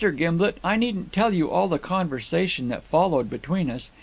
Gimblet, I needn't tell you all the conversation that followed between us.